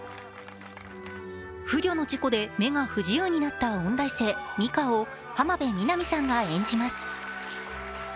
不慮の事故で目が不自由になった音大生・美夏を浜辺美波さんが演じます。